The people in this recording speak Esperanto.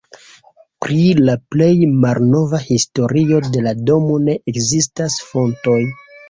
Pri la plej malnova historio de la domo ne ekzistas fontoj.